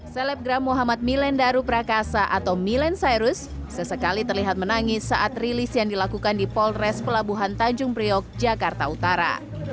selebgram muhammad milen daru prakasa atau milen cyrus sesekali terlihat menangis saat rilis yang dilakukan di polres pelabuhan tanjung priok jakarta utara